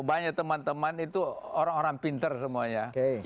banyak teman teman itu orang orang pinter semuanya